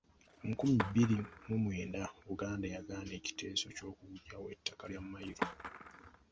Mu nkumi bbiri mu mwenda Buganda yagaana ekiteeso eky'okuggyawo ettaka lya mmayiro.